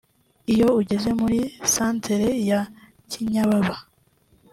Iyo ugeze muri santere ya Kinyababa